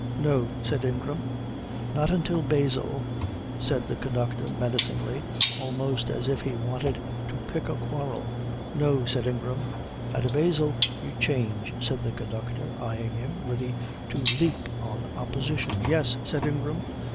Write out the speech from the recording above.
"No," said Ingram. "Not until Basel," said the conductor menacingly, almost as if he wanted to pick a quarrel. "No," said Ingram. "At Basel you change," said the conductor eyeing him, ready to leap on opposition. "Yes," said Ingram.